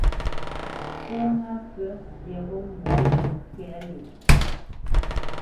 Pó ŋá pfə yeghó mbwǎ yé ŋkwɛ́t lə̂.